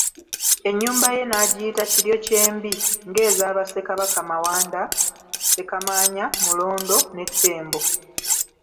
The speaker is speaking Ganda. Ennyumba ye n'agiyita Kiryokyembi ng'eza Bassekabaka Mawanda, Ssekamaanya, Mulondo ne Ttembo.